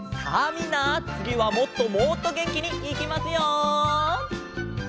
みんなつぎはもっともっとげんきにいきますよ！